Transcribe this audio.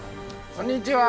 こんにちは。